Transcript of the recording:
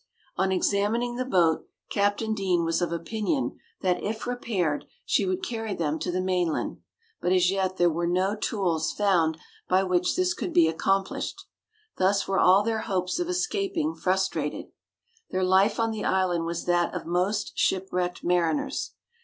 On examining the boat, Captain Deane was of opinion that if repaired, she would carry them to the mainland: but as yet there were no tools found by which this could be accomplished. Thus were all their hopes of escaping frustrated. Their life on the island was that of most shipwrecked mariners.